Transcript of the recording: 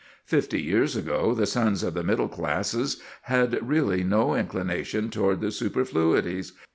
Fifty years ago the sons of the middle classes had really no inclination toward the superfluities.